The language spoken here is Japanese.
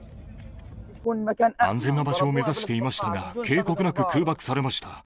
安全な場所を目指していましたが、警告なく空爆されました。